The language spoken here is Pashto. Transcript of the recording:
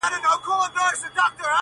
هره شېبه ولګېږي زر شمعي،